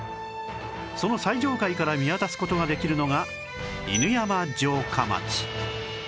その最上階から見渡す事ができるのが犬山城下町